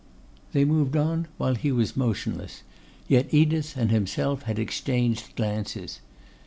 They moved on while he was motionless; yet Edith and himself had exchanged glances.